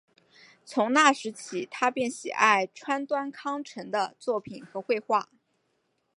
从那时起他便喜爱川端康成的作品和绘画。